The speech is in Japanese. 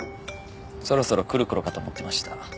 そろそろ来る頃かと思ってました。